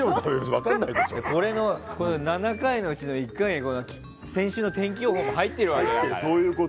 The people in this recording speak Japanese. ７回のうち１回先週の天気予報も入っているわけだから。